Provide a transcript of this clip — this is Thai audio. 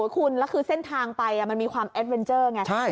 คุณแล้วคือเส้นทางไปมันมีความแอดเวนเจอร์ไง